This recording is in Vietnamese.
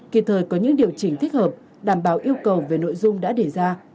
kịp thời có những điều chỉnh thích hợp đảm bảo yêu cầu về nội dung đã đề ra